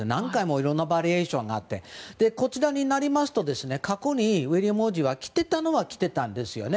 いろんなバリエーションがあってこちらになりますと過去に、ウィリアム王子は着てたのは着ていたんですよね。